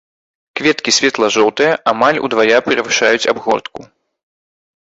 Кветкі светла-жоўтыя, амаль удвая перавышаюць абгортку.